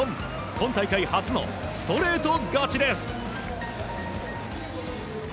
今大会初のストレート勝ちです。